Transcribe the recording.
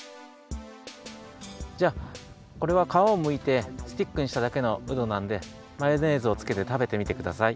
じゃあこれはかわをむいてスティックにしただけのうどなんでマヨネーズをつけてたべてみてください。